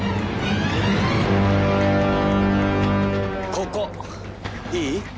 ここいい？